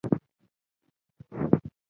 پټ ګرځي.